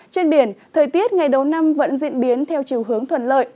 trên biển thời tiết ngày đầu năm vẫn diễn biến theo chiều hướng thuận lợi